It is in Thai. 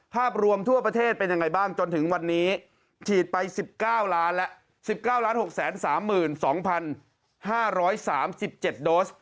ภาพรวมทั่วประเทศเป็นยังไงบ้างจนถึงวันนี้ฉีดไป๑๙ล้านแล้ว๑๙๖๓๒๕๓๗โดส